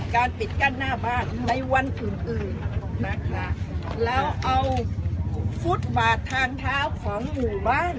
ปิดกั้นหน้าบ้านในวันอื่นอื่นนะคะแล้วเอาฟุตบาททางเท้าของหมู่บ้าน